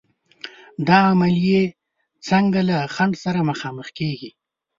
دا عملیې څنګه له خنډ سره مخامخ کېږي؟